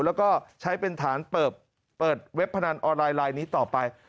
แล้วก็ใช้เป็นฐานเปิดเว็บพนันออนไลน์ลายนี้ต่อไป